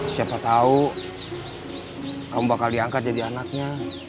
siapa tahu kamu bakal diangkat jadi anaknya